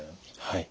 はい。